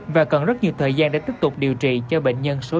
và cần rất nhiều thời gian để tiếp tục điều trị cho bệnh nhân số chín mươi một